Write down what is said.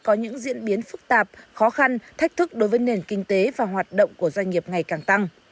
có những diễn biến phức tạp khó khăn thách thức đối với nền kinh tế và hoạt động của doanh nghiệp ngày càng tăng